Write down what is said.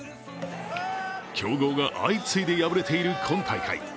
強豪が相次いで敗れている今大会。